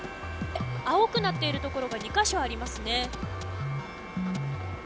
青くなっているところが２か所ありますね。